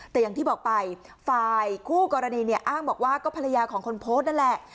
แต่อย่างที่บอกไปฝ่ายคู่กรณีเนี่ยอ้างบอกว่าก็ภรรยาของคนโพสต์นั่นแหละ